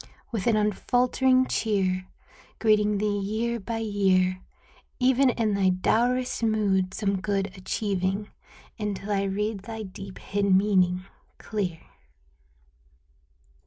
With an unfaltering cheer. Greeting thee year by year. Even in thy dourest mood some good achieving. Until I read thy deep hid meaning clear.